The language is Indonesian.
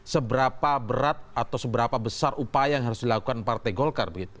seberapa berat atau seberapa besar upaya yang harus dilakukan partai golkar begitu